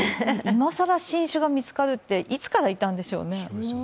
今更新種が見つかるっていつからいたんでしょうね。